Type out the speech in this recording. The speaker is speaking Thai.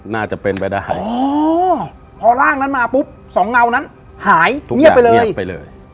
น่าจะเป็นไปได้อ๋อพอร่างนั้นมาปุ๊บสองเงานั้นหายเงียบไปเลยเงียบไปเลย